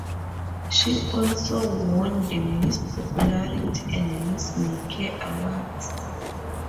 She also won the "Miss Popularity" and "Miss May Care" awards.